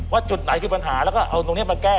จุดไหนคือปัญหาแล้วก็เอาตรงนี้มาแก้